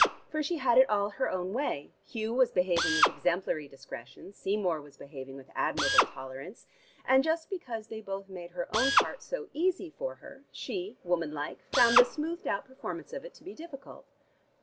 For she had it all her own way, Hugh was behaving with exemplary discretion, Seymour was behaving with admirable tolerance, and just because they both made her own part so easy for her, she, womanlike, found the smoothed out performance of it to be difficult.